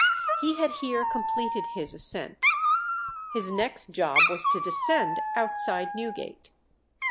He had here completed his ascent. His next job was to descend outside Newgate.